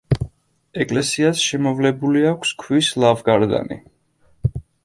ეკლესიას შემოვლებული აქვს ქვის ლავგარდანი.